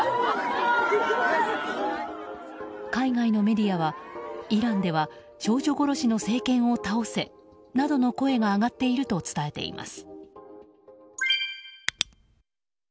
海外のメディアはイランでは少女殺しの政権を倒せなどの声が上がっていると伝えています。